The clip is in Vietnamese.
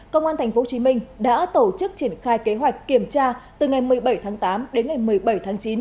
công an tp hcm đã tổ chức triển khai kế hoạch kiểm tra từ ngày một mươi bảy tháng tám đến ngày một mươi bảy tháng chín